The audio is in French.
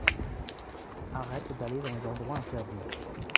Arrête d’aller dans les endroits interdits.